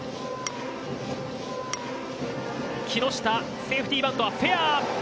木下、セーフティーバントはフェア。